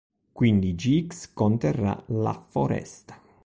Quindi Gx conterrà la foresta.